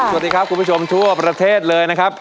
สวัสดีครับคุณผู้ชมทั่วประเทศเลยนะครับ